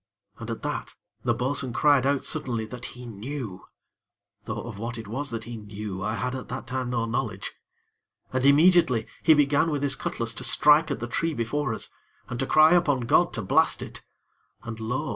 And at that, the bo'sun cried out suddenly that he knew; though of what it was that he knew I had at that time no knowledge. And, immediately, he began with his cutlass to strike at the tree before us, and to cry upon God to blast it; and lo!